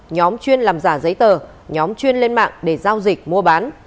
nhóm chuyên làm giả giấy tờ nhóm chuyên lên mạng để giao dịch mua bán